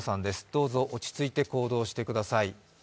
どうぞ落ち着いて行動してください。